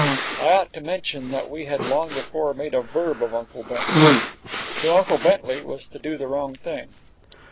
I ought to mention that we had long before made a verb of Uncle Bentley. To unclebentley was to do the wrong thing.